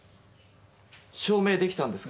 証明できたんですか？